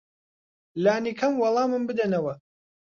لانی کەم وەڵامم بدەنەوە.